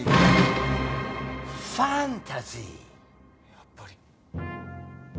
やっぱり。